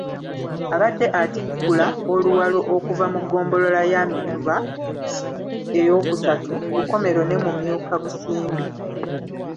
Abadde atikkula Oluwalo okuva mu ggombolola ya Mituba III Bukomero ne Mumyuka-Busimbi